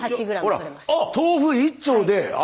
ほら豆腐１丁で朝。